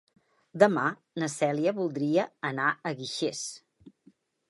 Demà na Cèlia voldria anar a Guixers.